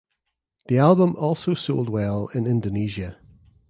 The album also sold well in Indonesia.